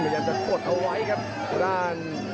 ไปยังจะกดเอาไว้ครับตัวด้าน